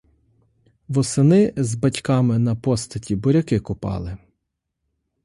Восени — з батьками на постаті буряки копати.